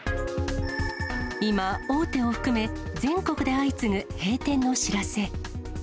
今、大手を含め、全国で相次ぐ閉店の知らせ。